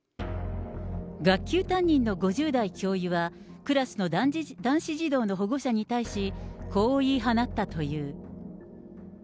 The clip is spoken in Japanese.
学級担任の５０代教諭はクラスの男子児童の保護者に対し、こう言い放ったという。